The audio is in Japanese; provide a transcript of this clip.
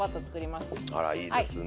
あらいいですね。